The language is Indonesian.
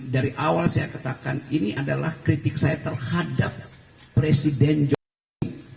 dari awal saya katakan ini adalah kritik saya terhadap presiden jokowi